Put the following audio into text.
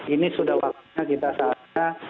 ini sudah waktunya kita saatnya